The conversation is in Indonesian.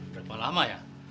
berapa lama ya